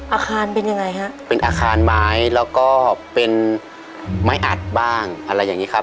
อาคารเป็นยังไงฮะเป็นอาคารไม้แล้วก็เป็นไม้อัดบ้างอะไรอย่างนี้ครับ